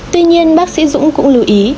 tuy nhiên bác sĩ dũng cũng lưu ý